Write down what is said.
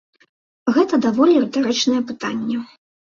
Гэта даволі рытарычнае пытанне.